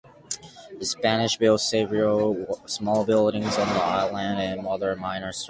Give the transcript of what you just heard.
The Spanish built several small buildings on the island and other minor structures.